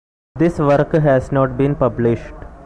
This work has not been published.